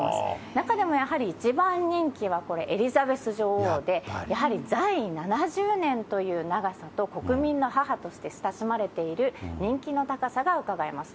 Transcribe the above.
中でもやはり、一番人気はこれ、エリザベス女王で、やはり在位７０年という長さと国民の母として親しまれている人気の高さがうかがえます。